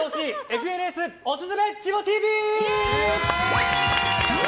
ＦＮＳおすすめジモＴＶ。